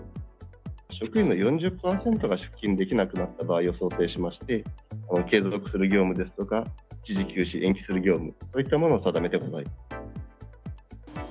職員の４０％が出勤できなくなった場合を想定しまして、継続する業務ですとか、一時休止・延期する業務、そういったものを定めています。